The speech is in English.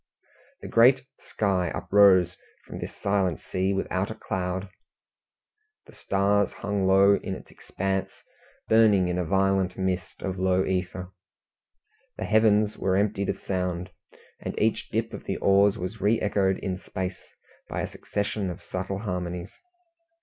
The great sky uprose from this silent sea without a cloud. The stars hung low in its expanse, burning in a violent mist of lower ether. The heavens were emptied of sound, and each dip of the oars was re echoed in space by a succession of subtle harmonies.